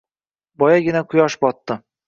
Boyagina quyosh botdi